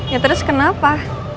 ya terus kenapa